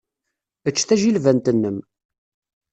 Ečč tajilbant-nnem.